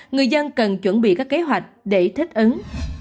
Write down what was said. người dân cần chuẩn bị các kế hoạch để thích ứng